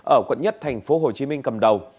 ở quận một thành phố hồ chí minh cầm đầu